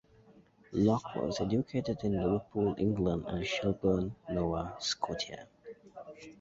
Locke was educated in Liverpool, England and Shelburne, Nova Scotia.